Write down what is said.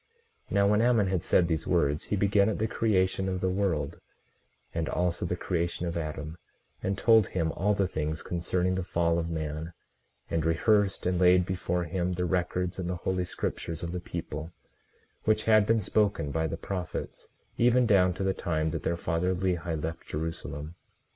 18:36 Now when Ammon had said these words, he began at the creation of the world, and also the creation of Adam, and told him all the things concerning the fall of man, and rehearsed and laid before him the records and the holy scriptures of the people, which had been spoken by the prophets, even down to the time that their father, Lehi, left Jerusalem.